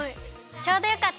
ちょうどよかった。